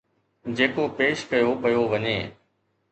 جيڪو پيش ڪيو پيو وڃي